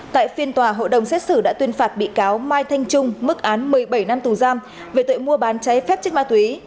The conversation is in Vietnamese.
tại phiên tòa hội đồng xét xử đã tuyên phạt bị cáo mai thanh trung mức án một mươi bảy năm tù giam về tội mua bán cháy phép chất ma túy